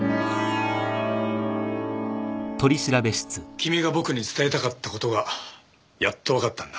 君が僕に伝えたかった事がやっとわかったんだ。